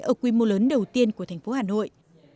ở quy mô lớn đầu tiên của thành phố hà nội